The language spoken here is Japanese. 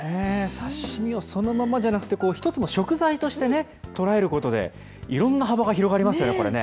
刺身をそのままじゃなくて、一つの食材としてね、捉えることで、いろんな幅が広がりますよね、これね。